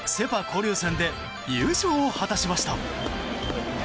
交流戦で優勝を果たしました。